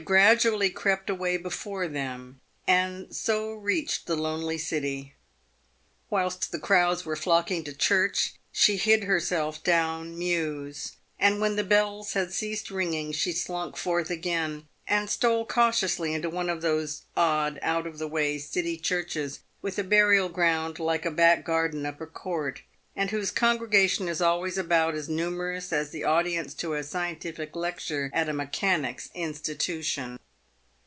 gradually crept away before them, and so reached the lonely City. Whilst the crowds were flocking to church she hid herself down mews, and when the bells had ceased ringing she slunk forth again, and stole cautiously into one of those odd, out of the way City churches, with a burial ground like a back garden up a court, and whose congregation is always about as numerous as the audience to a scientific lecture at a mechanics' institution.